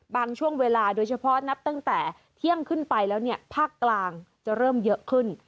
ช่วงเวลาโดยเฉพาะนับตั้งแต่เที่ยงขึ้นไปแล้วเนี่ยภาคกลางจะเริ่มเยอะขึ้น